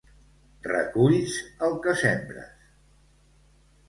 Reculls el que sembres